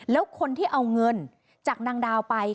แล้วคนที่เอาเงินจากนางดาวไป